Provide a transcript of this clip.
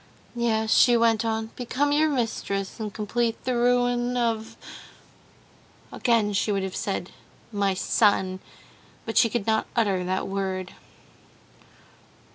"Yes," she went on, "become your mistress, and complete the ruin of...." Again she would have said "my son," but she could not utter that word.